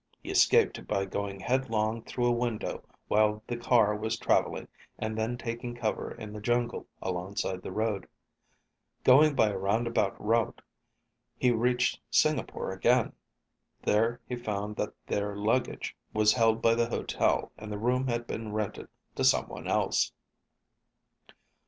He escaped by going headlong through a window while the car was traveling and then taking cover in the jungle alongside the road. Going by a roundabout route, he reached Singapore again. There he found that their luggage was held by the hotel and the room had been rented to someone else.